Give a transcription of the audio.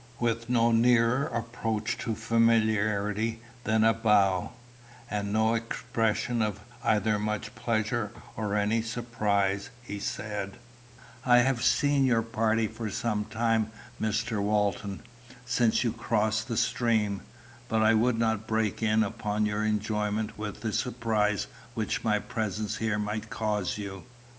With no nearer approach to familiarity than a bow, and no expression of either much pleasure or any surprise, he said "I have seen your party for some time, Mr. Walton since you crossed the stream; but I would not break in upon your enjoyment with the surprise which my presence here must cause you."